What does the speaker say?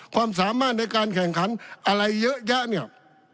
ความสามารถในการแข่งขันอะไรเยอะแยะเนี่ย